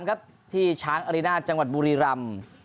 ครับที่ช้างอรินาทจังหวัดบุรีรำ